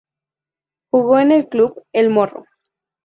Jugó en el club "El Morro".